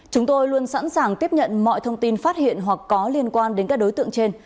chúng tôi luôn sẵn sàng tiếp nhận mọi thông tin phát hiện hoặc có liên quan đến các đối tượng trên